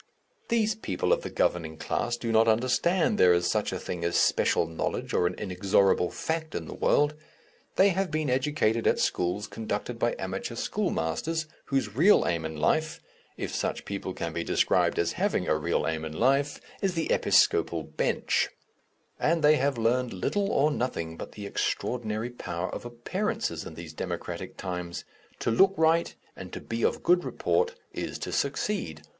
These people of the governing class do not understand there is such a thing as special knowledge or an inexorable fact in the world; they have been educated at schools conducted by amateur schoolmasters, whose real aim in life if such people can be described as having a real aim in life is the episcopal bench, and they have learnt little or nothing but the extraordinary power of appearances in these democratic times. To look right and to be of good report is to succeed.